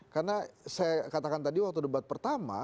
karena saya katakan tadi waktu debat pertama